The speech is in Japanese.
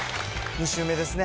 ２週目ですね。